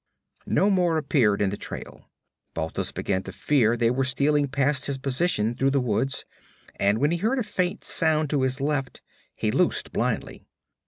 No more appeared in the trail; Balthus began to fear they were stealing past his position through the woods, and when he heard a faint sound to his left he loosed blindly.